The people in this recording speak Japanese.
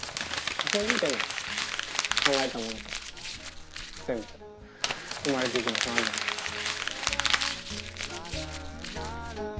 そういう意味でも考えたものと全部生まれていく場所なんじゃないですか。